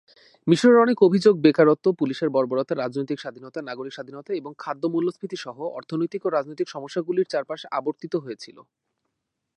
মিশরের অনেক অভিযোগ বেকারত্ব, পুলিশের বর্বরতা, রাজনৈতিক স্বাধীনতা, নাগরিক স্বাধীনতা এবং খাদ্য-মূল্যস্ফীতি সহ অর্থনৈতিক ও রাজনৈতিক সমস্যাগুলির চারপাশে আবর্তিত হয়েছিল।